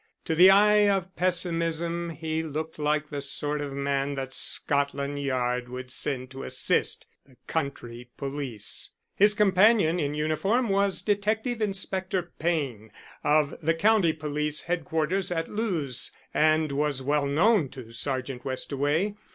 To the eye of pessimism he looked like the sort of man that Scotland Yard would send to assist the country police. His companion in uniform was Detective Inspector Payne, of the County police headquarters at Lewes, and was well known to Sergeant Westaway.